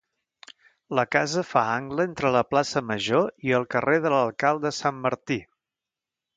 La casa fa angle entre la Plaça Major i el carrer de l'Alcalde Santmartí.